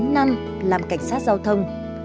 bốn năm làm cảnh sát giao thông